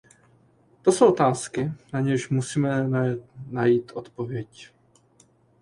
To jsou otázky, na něž musíme najít odpověď.